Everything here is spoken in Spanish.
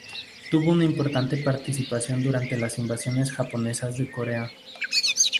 Tuvo una importante participación durante las invasiones japonesas de Corea.